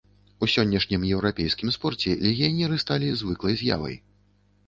У сённяшнім еўрапейскім спорце легіянеры сталі звыклай з'явай.